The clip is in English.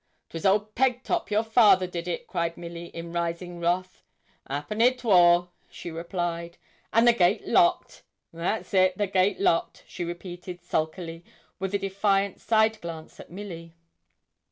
''Twas old Pegtop, your father, did it,' cried Milly, in rising wrath. ''Appen it wor,' she replied. 'And the gate locked.' 'That's it the gate locked,' she repeated, sulkily, with a defiant side glance at Milly.